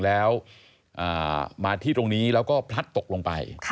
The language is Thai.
แล้วมาที่ตรงนี้แล้วก็พลัดตกลงไป